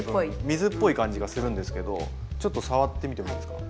水っぽい感じがするんですけどちょっと触ってみてもいいですか。